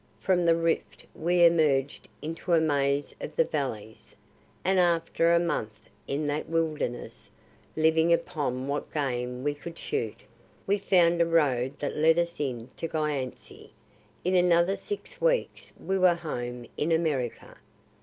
From the rift we emerged into a maze of the valleys, and after a month in that wilderness, living upon what game we could shoot, we found a road that led us into Gyantse. In another six weeks we were home in America.